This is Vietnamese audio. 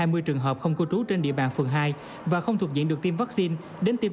hai mươi trường hợp không cư trú trên địa bàn phường hai và không thuộc diện được tiêm vaccine đến tiêm